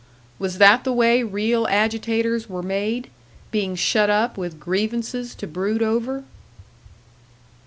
Was that the way real agitators were made being shut up with grievances to brood over?